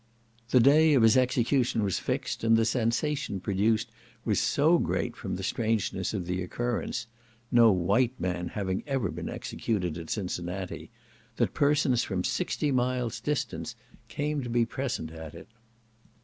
The day of his execution was fixed, and the sensation produced was so great from the strangeness of the occurrence, (no white man having ever been executed at Cincinnati,) that persons from sixty miles' distance came to be present at it.